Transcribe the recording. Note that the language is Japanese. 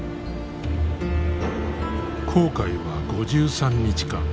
航海は５３日間。